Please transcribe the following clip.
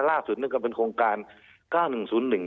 ล่าสุดนึงกับเป็นโครงการ๙๑๑เนี่ย